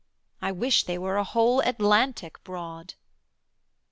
I wish they were a whole Atlantic broad.'